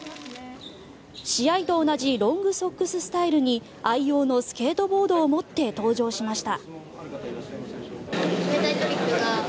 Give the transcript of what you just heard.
試合と同じロングソックススタイルに愛用のスケートボードを持って登場しました。